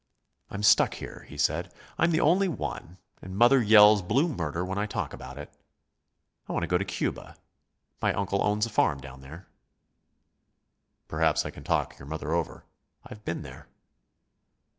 "I'm stuck here," he said. "I'm the only one, and mother yells blue murder when I talk about it. I want to go to Cuba. My uncle owns a farm down there." "Perhaps I can talk your mother over. I've been there."